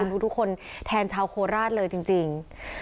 คุณลูกทุกคนแทนชาวโคราชเลยจริงจริง